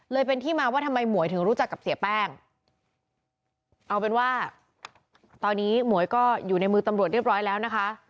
เลยเป็นที่มาว่าทำไมหมวยถึงรู้จักกับเสียแป้งเอาเป็นว่าตอนนี้หมวยก็อยู่ในมือตำรวจเรียบร้อยแล้วนะคะ